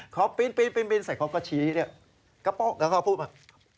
เขาปีนใส่คอปก็ชี้แล้วก็พูดมา